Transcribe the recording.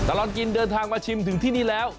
ตลอดกินเดินทางมาชิมถึงที่นี่แล้ว